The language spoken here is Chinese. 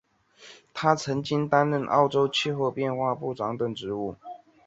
他曾经担任澳洲气候变化部长等职务。